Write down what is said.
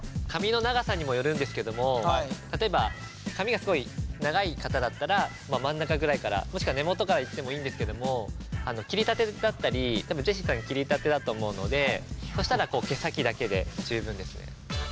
髪の長さにもよるんですけども例えば髪がスゴい長い方だったら真ん中ぐらいからもしくは根元からいってもいいんですけども切りたてだったり多分ジェシーさん切りたてだと思うのでそしたらこう毛先だけで十分ですね。